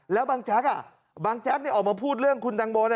แล้วบางแจ็คอ่ะบางแจ็คนี่ออกมาพูดเรื่องคุณตังโบ